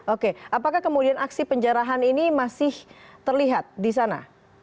oke apakah kemudian aksi penjarahan ini masih terlihat di sana